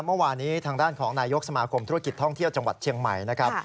เมื่อวานนี้ทางด้านของนายกสมาคมธุรกิจท่องเที่ยวจังหวัดเชียงใหม่นะครับ